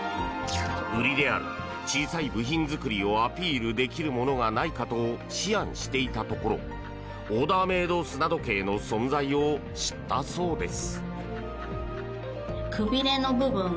売りである小さい部品作りをアピールできるものがないかと思案していたところオーダーメイド砂時計の存在を知ったそうです。